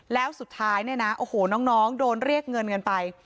แล้วสุดท้ายเนี่ยนะโอ้โหน้องโดนเรียกเงินกันไป